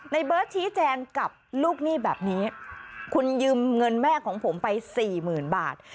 เบิร์ตชี้แจงกับลูกหนี้แบบนี้คุณยืมเงินแม่ของผมไปสี่หมื่นบาท